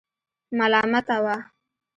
ملامتاوه.